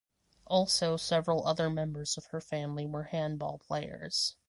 Also several other members of her family were handball players.